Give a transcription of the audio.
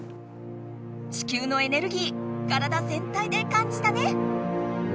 地球のエネルギー体ぜんたいで感じたね！